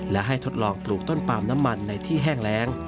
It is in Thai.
และให้ทดลองปลูกต้นปาล์มน้ำมันในที่แห้งแรง